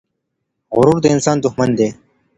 غرور د انسان دښمن دی.